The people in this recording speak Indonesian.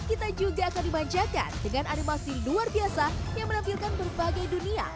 kita juga akan dimanjakan dengan animasi luar biasa yang menampilkan berbagai dunia